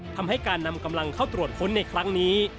ทำให้การนำกำลังเข้าตรวจค้นในครั้งนี้